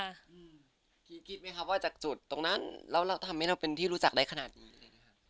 คุณคิดไหมคะว่าจากจุดตรงนั้นเราทำให้เราเป็นที่รู้จักได้ขนาดนี้เลยค่ะ